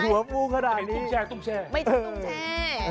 หัวฟูขนาดนี้ไม่ชอบตุ้มแช